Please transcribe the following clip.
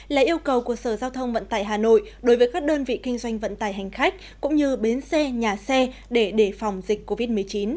là yêu cầu của sở giao thông vận tải hà nội đối với các đơn vị kinh doanh vận tải hành khách cũng như bến xe nhà xe để đề phòng dịch covid một mươi chín